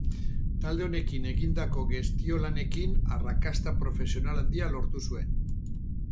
Talde horiekin egindako gestio lanekin arrakasta profesional handia lortu zuen.